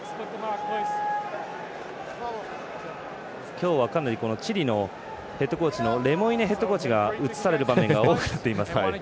今日は、かなりチリのヘッドコーチレモイネヘッドコーチが映される場面が多くなっています。